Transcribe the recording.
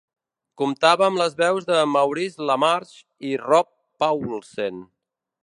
Comptava amb les veus de Maurice LaMarche i Rob Paulsen.